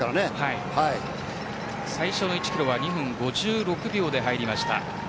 最初の１キロは２分５６秒で入りました。